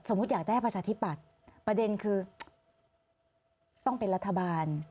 อยากได้ประชาธิปัตย์ประเด็นคือต้องเป็นรัฐบาล